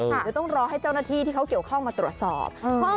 เดี๋ยวต้องรอให้เจ้าหน้าที่ที่เขาเกี่ยวข้องมาตรวจสอบ